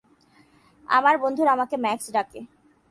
আমার বন্ধুরা আমাকে ম্যাক্স ডাকে।